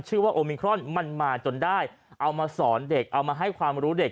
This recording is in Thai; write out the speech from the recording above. โอมิครอนมันมาจนได้เอามาสอนเด็กเอามาให้ความรู้เด็ก